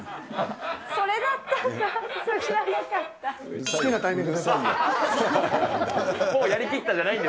それだったんだ。